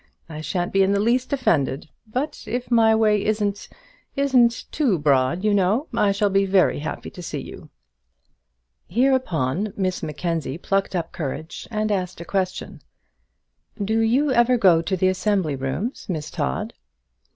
I shan't be in the least offended. But if my way isn't isn't too broad, you know, I shall be very happy to see you." Hereupon Miss Mackenzie plucked up courage and asked a question. "Do you ever go to the assembly rooms, Miss Todd?"